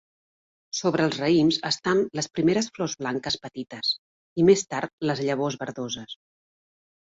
Sobre els raïms estan les primeres flors blanques petites, i més tard les llavors verdoses.